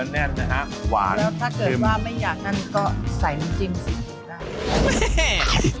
น่าน่าหวานแล้วถ้าเกิดว่าไม่อยากก็ใส่น้ำจิ้มสิกด้าน